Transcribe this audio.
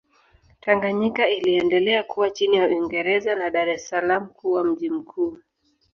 Tanganyika iliendelea kuwa chini ya Uingereza na Dar es Salaam kuwa mji mkuu.